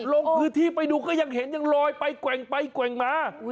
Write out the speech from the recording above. ลงพื้นที่ไปดูก็ยังเห็นยังลอยไปแกว่งไปแกว่งมา